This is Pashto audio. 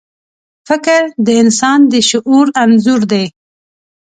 فکر د انسان د شعور انځور دی.